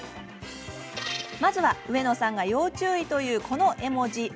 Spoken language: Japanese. まずは、上野さんが要注意というこの絵文字。